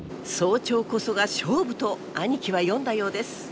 早朝こそが勝負と兄貴は読んだようです。